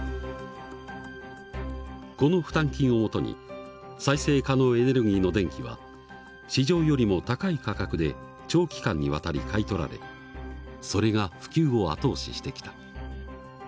この負担金をもとに再生可能エネルギーの電気は市場よりも高い価格で長期間にわたり買い取られそれが普及を後押ししてきた。